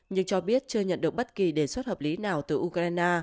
nhưng cho biết chưa nhận được bất kỳ đề xuất hợp lý nào từ ukraine